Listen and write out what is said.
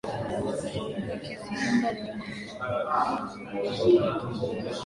Wakiziimba nyimbo hizo kwa lugha ile ile lugha ya kilingala